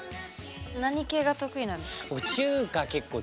何系が得意なんですか？